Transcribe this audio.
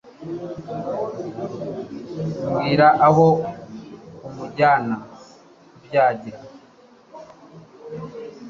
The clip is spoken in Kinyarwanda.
mbwira aho uwujyana kubyagira